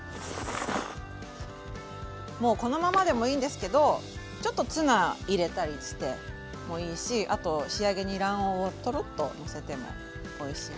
もうこのままでもいいんですけどちょっとツナ入れたりしてもいいしあと仕上げに卵黄をトロッとのせてもおいしい。